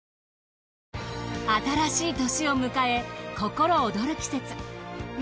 新しい年を迎え心躍る季節。